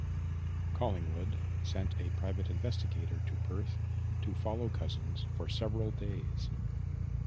Collingwood sent a private investigator to Perth to follow Cousins for several days.